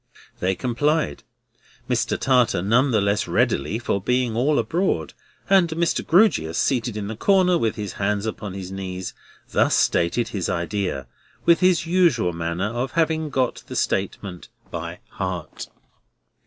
They complied; Mr. Tartar none the less readily, for being all abroad; and Mr. Grewgious, seated in the centre, with his hands upon his knees, thus stated his idea, with his usual manner of having got the statement by heart.